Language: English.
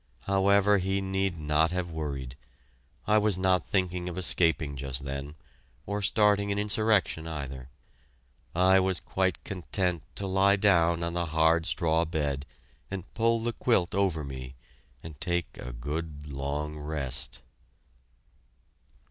However, he need not have worried I was not thinking of escaping just then or starting an insurrection either. I was quite content to lie down on the hard straw bed and pull the quilt over me and take a good long rest.